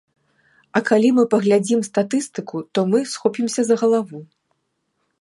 А калі мы паглядзім статыстыку, то мы схопімся за галаву.